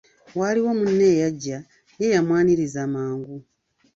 Waaliwo munne eyajja ye yamwaniriza mangu.